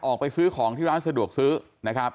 ออกไปซื้อของที่ร้านสะดวกซื้อนะครับ